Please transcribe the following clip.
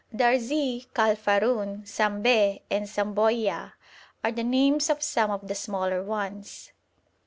Darzi, Kal Farun, Sambeh, and Samboyia are the names of some of the smaller ones.